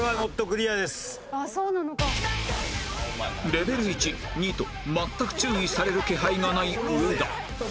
レベル１２と全く注意される気配がない上田